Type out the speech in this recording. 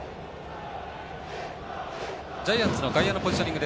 ジャイアンツの外野のポジショニング。